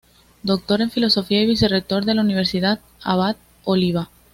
Doctor en Filosofía y Vicerrector de la Universidad Abad Oliba.